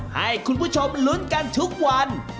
ให้คุณผู้ชมลุ้นกันทุกวัน